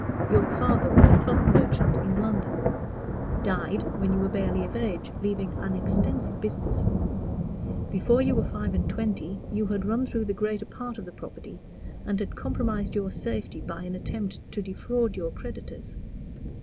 Your father was a cloth merchant in London: he died when you were barely of age, leaving an extensive business: before you were five and twenty you had run through the greater part of the property, and had compromised your safety by an attempt to defraud your creditors.